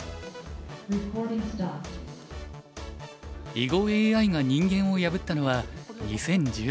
囲碁ＡＩが人間を破ったのは２０１６年。